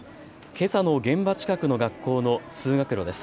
けさの現場近くの学校の通学路です。